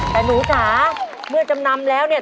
แต่หนูจ๋าเมื่อจำนำแล้วเนี่ย